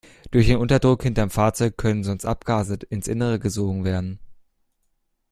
Durch den Unterdruck hinterm Fahrzeug können sonst Abgase ins Innere gesogen werden.